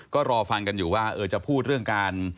ก็รอฟังกันอยู่ว่าจะพูดเรื่องการ